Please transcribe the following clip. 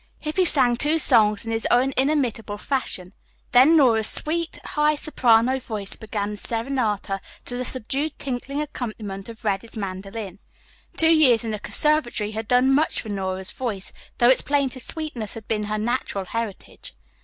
Hippy sang two songs in his own inimitable fashion. Then Nora's sweet, high soprano voice began the "Serenata" to the subdued tinkling accompaniment of Reddy's mandolin. Two years in the conservatory had done much for Nora's voice, though its plaintive sweetness had been her natural heritage.